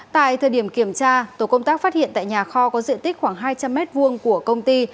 tại thời điểm kiểm tra tổ công tác phát hiện tại nhà kho có diện tích khoảng hai trăm linh m hai của công ty